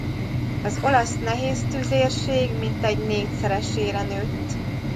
Az olasz nehéztüzérség mintegy négyszeresére nőtt.